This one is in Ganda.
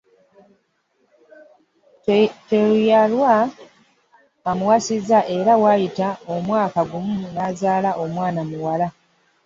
Teyalwa amuwasizza era waayita omwaka gumu n’azaala omwana muwala.